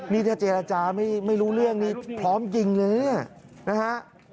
นี่ถ้าเจรจาไม่รู้เรื่องนี้พร้อมยิงเลยนะเนี่ยนะฮะ